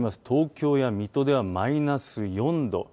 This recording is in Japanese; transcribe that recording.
東京や水戸ではマイナス４度。